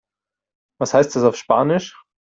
Was heißt das auf Spanisch?